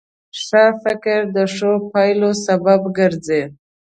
ښه فکر د ښو پایلو سبب ګرځي.